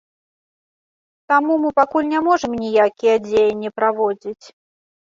Таму мы пакуль не можам ніякія дзеянні праводзіць.